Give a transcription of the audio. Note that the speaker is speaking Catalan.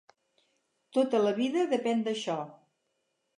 Tota la vida depèn d'això.